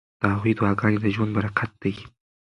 د هغوی دعاګانې د ژوند برکت دی.